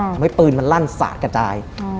ทำให้ปืนมันลั่นสาดกระจาย